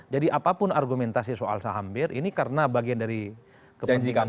jadi apapun argumentasi soal saham bir ini karena bagian dari kepentingan janji politik